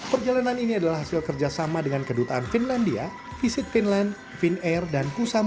perjalanan ini adalah hasilnya